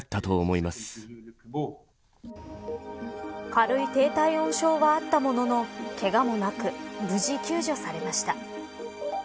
軽い低体温症はあったもののけがもなく無事救助されました。